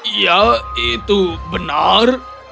iya itu benar